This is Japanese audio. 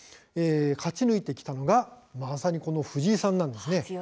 勝ち抜いてきたのが、まさにこの藤井さんなんです。